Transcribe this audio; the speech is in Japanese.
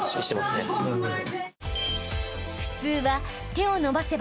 ［普通は］